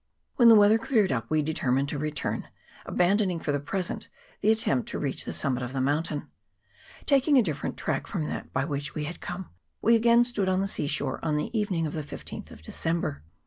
When the weather cleared up we determined to return, abandoning, for the present, the attempt to reach the summit of the mountain. Taking a dif ferent track from that by which we had come, we again stood on the sea shore on the evening of the 15th of December.